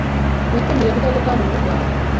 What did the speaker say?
Witondere kutagwa kandi uruhu rwawe.